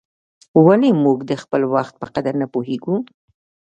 ولي موږ د خپل وخت په قدر نه پوهیږو؟